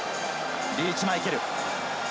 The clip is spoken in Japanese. リーチ・マイケル。